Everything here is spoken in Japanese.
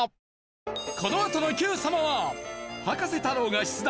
このあとの『Ｑ さま！！』は葉加瀬太郎が出題！